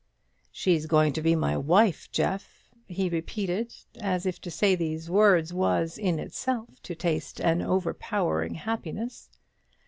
"She's going to be my wife, Jeff," he repeated, as if to say these words was in itself to taste an overpowering happiness.